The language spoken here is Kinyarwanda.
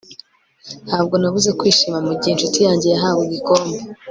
ntabwo nabuze kwishima mugihe inshuti yanjye yahawe igikombe